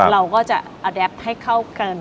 เราก็จะอแดปให้เข้ากัน